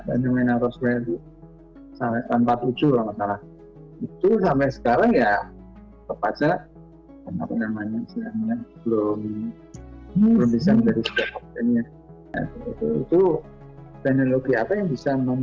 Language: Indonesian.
itu teknologi apa yang bisa membawa itu dari bintang ke sini